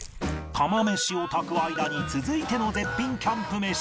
釜飯を炊く間に続いての絶品キャンプ飯